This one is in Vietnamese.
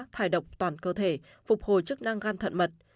thải độc toàn cơ thể phục hồi chức năng gan thận mật